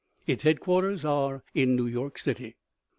Its headquarters are in New York City.